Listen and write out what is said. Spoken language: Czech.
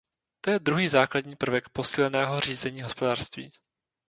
To je druhý základní prvek posíleného řízení hospodářství.